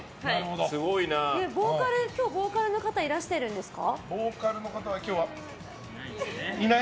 今日、ボーカルの方はいらしているんですか？